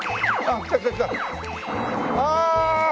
ああ！